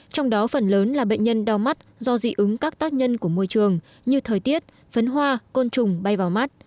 trong đó phần lớn là bệnh nhân đau mắt do dị ứng các tác nhân của môi trường như thời tiết phấn hoa côn trùng bay vào mắt